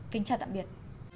kính chào tạm biệt